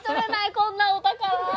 こんなお宝！